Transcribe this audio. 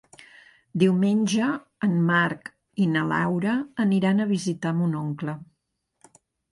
Diumenge en Marc i na Laura aniran a visitar mon oncle.